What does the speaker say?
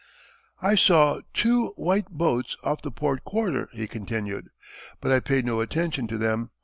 "I saw two white boats off the port quarter," he continued. "But I paid no attention to them.